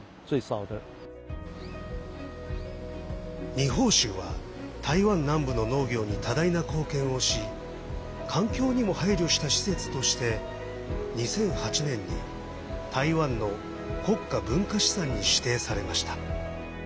二峰しゅうは台湾南部の農業に多大な貢献をし環境にも配慮した施設として２００８年に台湾の国家文化資産に指定されました。